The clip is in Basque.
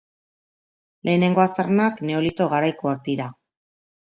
Lehenengo aztarnak Neolito garaikoak dira.